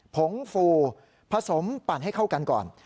ผงฟูผสมปั่นให้เข้ากันก่อน